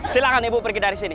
silahkan ibu pergi dari sini